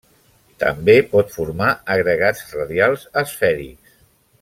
També pot formar agregats radials esfèrics.